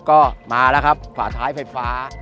ก็มาแล้วฝาท้ายไฟฟ้า